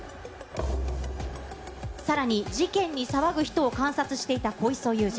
さらに事件に騒ぐ人を観察していた小磯祐司。